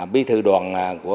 bí thư đoàn của quân